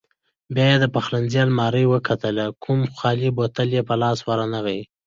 بیا یې د پخلنځي المارۍ وکتلې، کوم خالي بوتل یې په لاس ورنغی.